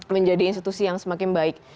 menjadi institusi yang semakin baik